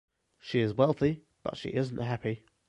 She is wealthy but she isn’t happy.